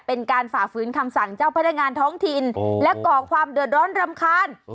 ฝ่าฝืนคำสั่งเจ้าพนักงานท้องถิ่นและก่อความเดือดร้อนรำคาญ